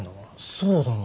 そうだな。